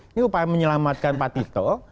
ini upaya menyelamatkan pak tito